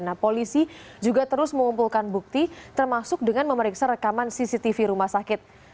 nah polisi juga terus mengumpulkan bukti termasuk dengan memeriksa rekaman cctv rumah sakit